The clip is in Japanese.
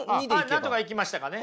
なんとかいきましたかね？